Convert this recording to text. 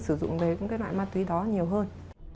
sử dụng về những cái loại ma túy đó nhiều hơn